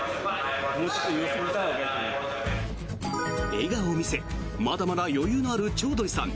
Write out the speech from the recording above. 笑顔を見せまだまだ余裕のあるチョウドリさん。